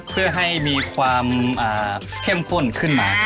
เพื่อให้มีความเข้มข้นขึ้นมา